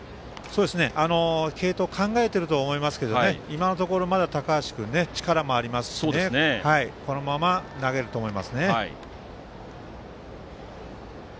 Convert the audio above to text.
継投を考えていると思いますけど今のところ、まだ高橋君は力もありますしこのまま投げると思います。